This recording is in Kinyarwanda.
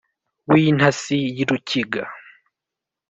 w’intasi y’i rukiga